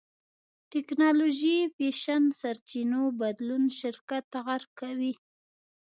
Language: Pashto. ټېکنالوژي فېشن سرچينو بدلون شرکت غرق کوي.